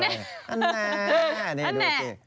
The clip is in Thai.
อันนี้อันนี้ดูสิ